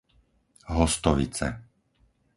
Hostovice